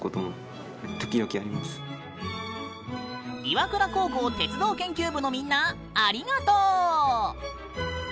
岩倉高校鉄道研究部のみんな、ありがとう。